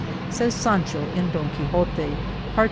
?" says Sancho in Don Quixote, Part II.